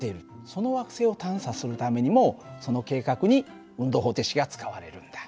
その惑星を探査するためにもその計画に運動方程式が使われるんだ。